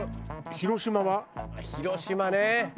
広島ね。